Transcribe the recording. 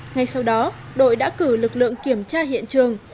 ngay sau đó đội đã cử lực lượng kiểm tra hiện trường